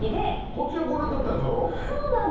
こっちが５年たったやつなの？